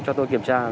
cho tôi kiểm tra